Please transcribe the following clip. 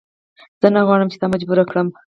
زه نه غواړم چې تا مجبور کړم.